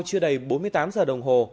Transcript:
chưa đầy bốn mươi tám giờ đồng hồ